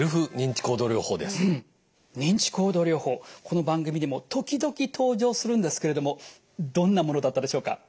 この番組にも時々登場するんですけれどもどんなものだったでしょうか？